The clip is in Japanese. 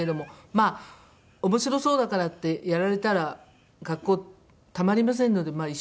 まあ面白そうだからってやられたら学校たまりませんので一生懸命やっております